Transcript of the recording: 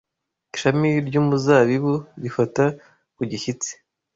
ishami ry’umuzabibu rifata ku gishyitsi